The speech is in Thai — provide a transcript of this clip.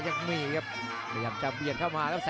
แสนเหลี่ยมน้ำใจนักกีฬายังมีครับ